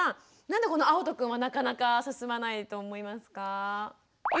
なんでこのあおとくんはなかなか進まないと思いますか？